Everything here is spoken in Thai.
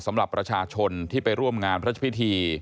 สำหรับประชาชนที่ไปร่วมงานพระพิธี